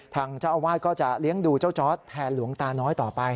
ทางเจ้าอาวาสก็จะเลี้ยงดูเจ้าจอร์ดแทนหลวงตาน้อยต่อไป